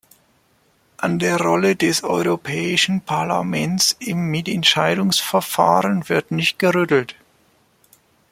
An der Rolle des Europäischen Parlaments im Mitentscheidungsverfahren wird nicht gerüttelt.